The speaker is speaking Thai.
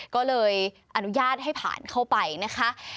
ก็เลยอนุญาตให้ผ่านเข้าไปนะคะ